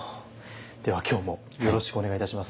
では今日もよろしくお願いいたします。